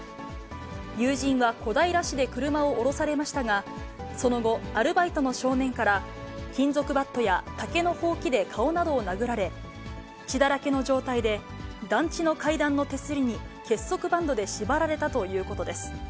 友人は小平市で車を降ろされましたが、その後、アルバイトの少年から、金属バットや竹のほうきで顔などを殴られ、血だらけの状態で団地の階段の手すりに結束バンドで縛られたということです。